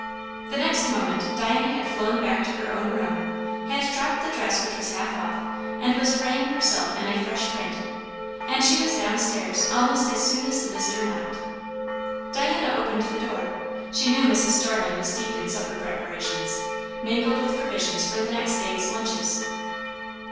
The next moment Diana had flown back to her own room, had dropped the dress which was half off, and was arraying herself in a fresh print; and she was down stairs almost as soon as the visitor knocked. Diana opened the door. She knew Mrs. Starling was deep in supper preparations, mingled with provisions for the next day's lunches.